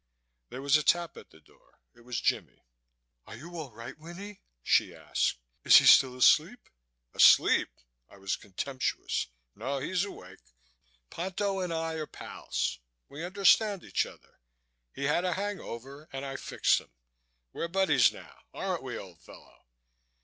There was a tap at the door. It was Jimmie. "Are you all right, Winnie?" she asked. "Is he still asleep?" "Asleep!" I was contemptuous. "No, he's awake. Ponto and I are pals. We understand each other. He had a hang over and I fixed him. We're buddies now, aren't we, old fellow?"